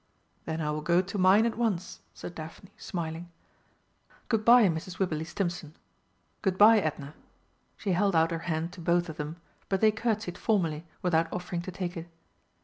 "Then I will go to mine at once," said Daphne, smiling. "Good bye, Mrs. Wibberley Stimpson. Good bye, Edna." She held out her hand to both of them, but they curtsied formally without offering to take it.